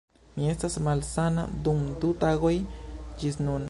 Mi estas malsana dum du tagoj ĝis nun